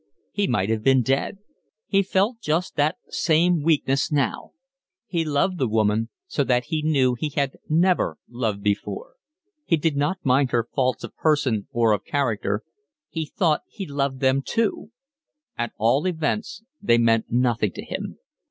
He might have been dead. He felt just that same weakness now. He loved the woman so that he knew he had never loved before. He did not mind her faults of person or of character, he thought he loved them too: at all events they meant nothing to him.